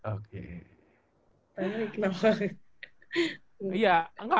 oh setuju lewat basket